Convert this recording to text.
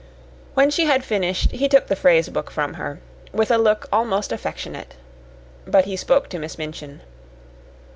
When she had finished, he took the phrase book from her, with a look almost affectionate. But he spoke to Miss Minchin.